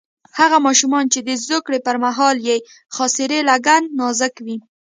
هغه ماشومان چې د زوکړې پر مهال یې خاصرې لګن یې نازک وي.